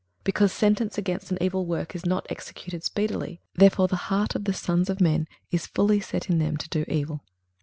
21:008:011 Because sentence against an evil work is not executed speedily, therefore the heart of the sons of men is fully set in them to do evil.